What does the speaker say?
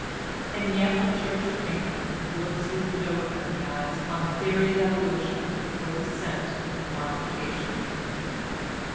And yet the Church of England looks with no friendly eyes upon the theory of Evolution or Descent with Modification.